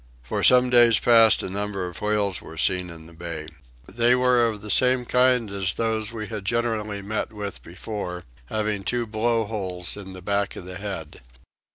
For some days past a number of whales were seen in the bay. They were of the same kind as those we had generally met with before, having two blow holes on the back of the head.